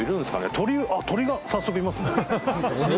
鳥あっ鳥が早速いますね